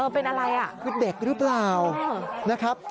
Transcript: เป็นอะไรคือเด็กหรือเปล่านะครับ